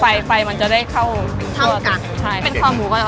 ทีมือจะตรงเข้าแล้วูกเข้า